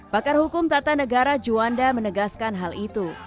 pakar hukum tata negara juanda menegaskan hal itu